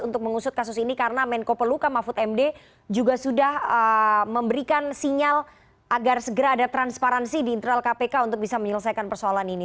untuk mengusut kasus ini karena menko peluka mahfud md juga sudah memberikan sinyal agar segera ada transparansi di internal kpk untuk bisa menyelesaikan persoalan ini